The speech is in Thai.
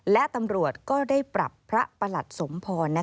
และตำรวจก็ได้ปรับพระประหลัดสมพร